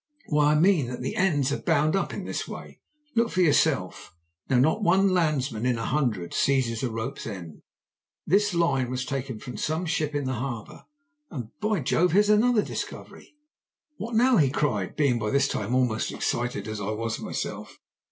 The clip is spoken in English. "Why, I mean that the ends are bound up in this way look for yourself. Now not one landsman in a hundred seizes a rope's end. This line was taken from some ship in the harbour, and By Jove! here's another discovery!" "What now?" he cried, being by this time almost as excited as I was myself.